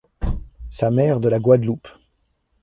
Sa mère de la Guadeloupe.